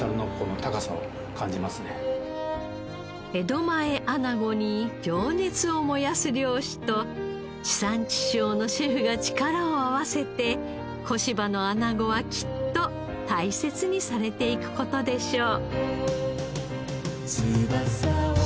江戸前アナゴに情熱を燃やす漁師と地産地消のシェフが力を合わせて小柴のアナゴはきっと大切にされていく事でしょう。